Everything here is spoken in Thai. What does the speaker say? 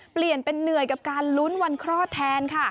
เปลี่ยนเป็นเหนื่อยกับการลุ้นวันคลอดแทนค่ะ